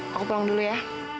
aku pulang dulu ya